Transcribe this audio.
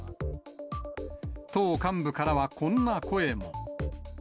党幹部からはこんな声も。